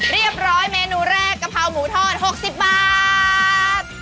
เรียบร้อยเมนูแรกกะเพราหมูทอด๖๐บาท